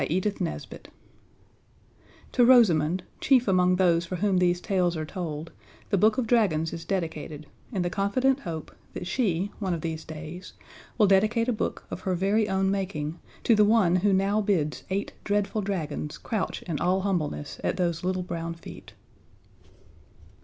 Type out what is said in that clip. PAGE 153 _To Rosamund, chief among those for whom these tales are told, The Book of Dragons is dedicated in the confident hope that she, one of these days, will dedicate a book of her very own making to the one who now bids eight dreadful dragons crouch in all humbleness at those little brown feet.